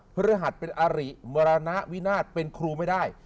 พฤหัสเป็นอาริมรณวินาศเป็นครูไม่ได้